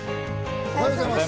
おはようございます。